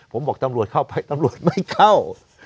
ผมบอกตำรวจเข้าไปตำรวจไม่เข้า